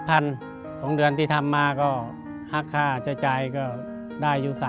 ๒เดือนที่ทำมาก็หักค่าใช้จ่ายก็ได้อยู่๓๐๐